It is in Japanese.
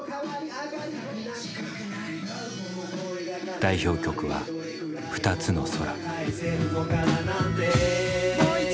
代表曲は「二つの空」。